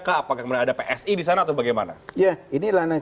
apakah kemudian ada psi di sana atau bagaimana